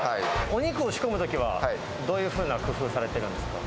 お肉を仕込むときは、どういうふうな工夫されてるんですか？